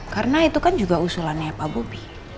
karena itu kan juga usulannya pak bobi